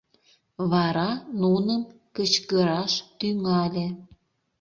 Вара нуным кычкыраш тӱҥале.